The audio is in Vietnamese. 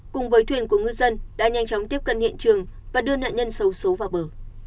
cùng với thuyền của ngư dân đã nhanh chóng tiếp cận hiện trường và đưa nạn nhân xấu xố vào bờ